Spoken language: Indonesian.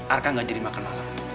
arka gak jadi makan malam